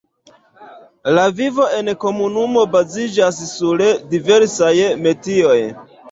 La vivo enkomunumo baziĝas sur diversaj metioj.